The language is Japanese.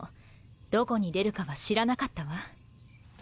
どこに出るかは知らなかったわ。